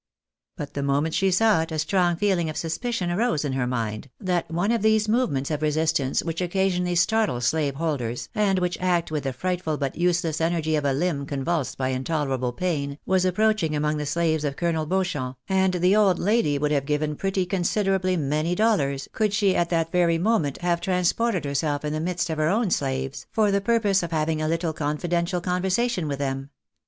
But the moment she saw it, a strong feeHng of suspicion arose in her mind, that one of those movements of resistance which occa sionally startle slave holders, and which act with the frightful but useless energy of a limb convulsed by intolerable pain, was approach ing among the slaves of Colonel Beauchamp, and the old lady would have given pretty considerably many dollars, could she at that very moment have transported herself into the midst of her own slaves, 198 THE BAKNABTS IN AMEEICA. for the purpose of having a little confidential conversation with them.